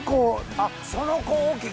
あっその子大きい！